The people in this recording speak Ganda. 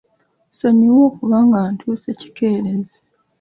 Nsonyiwa okuba nga ntuuse kikeerezi.